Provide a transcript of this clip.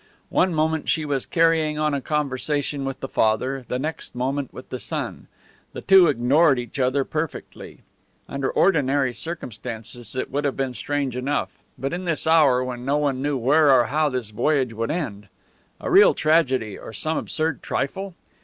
One moment she was carrying on a conversation with the father, the next moment with the son. The two ignored each other perfectly. Under ordinary circumstances it would have been strange enough; but in this hour, when no one knew where or how this voyage would end! A real tragedy or some absurd trifle?